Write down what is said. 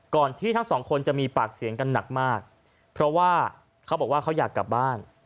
ที่ทั้งสองคนจะมีปากเสียงกันหนักมากเพราะว่าเขาบอกว่าเขาอยากกลับบ้าน